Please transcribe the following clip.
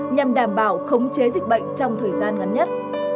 nhằm đảm bảo khống chế dịch bệnh trong thời gian ngắn nhất